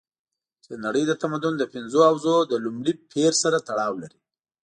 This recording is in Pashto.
چې د نړۍ د تمدن د پنځو حوزو له لومړي پېر سره تړاو لري.